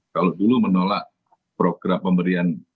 kalau dulu menolak program pemberian